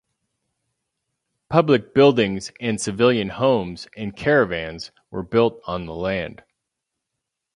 Public buildings and civilian homes and caravans were built on the land.